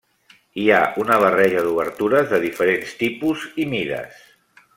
Hi ha una barreja d'obertures de diferents tipus i mides.